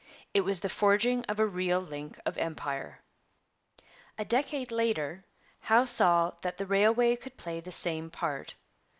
It was the forging of a real link of Empire. A decade later Howe saw that the railway could play the same part.